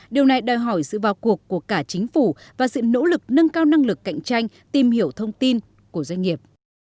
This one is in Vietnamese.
điều này đòi hỏi sự vào cuộc của cả chính phủ và sự nỗ lực nâng cao năng lực cạnh tranh tìm hiểu thông tin của doanh nghiệp